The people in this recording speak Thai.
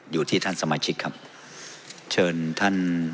อยู่ที่ท่านสมาชิกครับเชิญท่าน